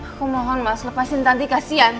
aku mohon mas lepasin tanti kasian